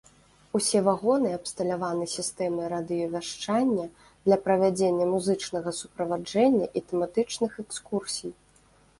Усе вагоны абсталяваны сістэмай радыёвяшчання для правядзення музычнага суправаджэння і тэматычных экскурсій.